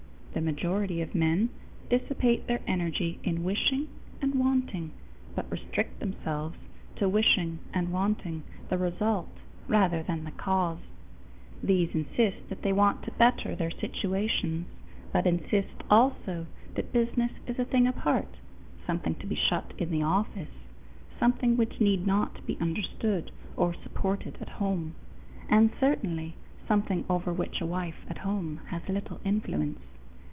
The majority of men dissipate their energy in wishing and wanting, but restrict themselves to wishing and wanting the result, rather than the cause. These insist that they want to better their situations, but insist also that business is a thing apart, something to be shut in the office, something which need not be understood or supported at home, and certainly something over which a wife at home has little influence.